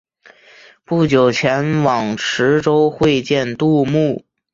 不久前往池州会见杜牧。